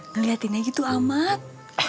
ngeliatinnya gitu amat